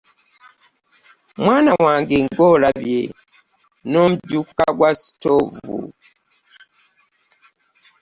Mwana wange ngolabye n'omjukukka gwa sitoovu.